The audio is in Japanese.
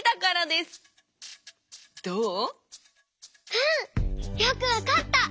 うん！よくわかった！